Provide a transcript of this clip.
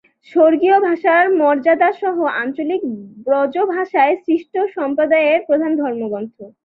স্বর্গীয় ভাষার মর্যাদা সহ আঞ্চলিক ব্রজভাষায় সৃষ্ট সম্প্রদায়ের প্রধান ধর্মগ্রন্থ।